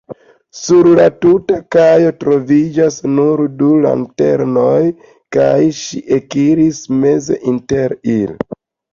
Sur la tuta kajo troviĝis nur du lanternoj, kaj ŝi ekiris meze inter ili.